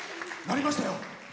鳴りましたよ。